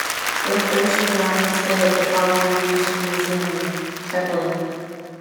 Both versions are on display at the Prague Aviation museum in Kbely.